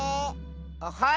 あっはい！